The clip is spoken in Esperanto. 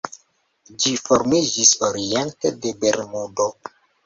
Ĝi formiĝis oriente de Bermudo.